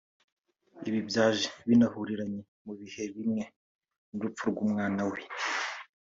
ibi byaje binahuriranye mu bihe bimwe n’urupfu rw’umwana we